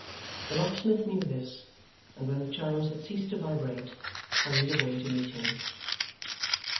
The locksmith knew this, and when the chimes had ceased to vibrate, hurried away to meet him.